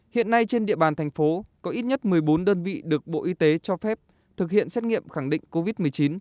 hiện nay trên địa bàn thành phố có ít nhất một mươi bốn đơn vị được bộ y tế cho phép thực hiện xét nghiệm khẳng định covid một mươi chín